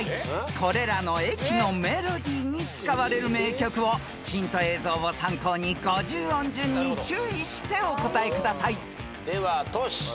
［これらの駅のメロディーに使われる名曲をヒント映像を参考に５０音順に注意してお答えください］ではトシ。